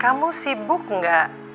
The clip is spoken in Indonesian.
kamu sibuk gak